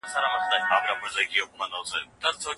د دې لیکنې پایله دا ده چې ژوند په پوره امن کې دی.